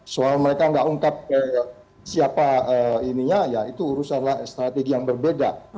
soal mereka nggak ungkap siapa ininya ya itu urusanlah strategi yang berbeda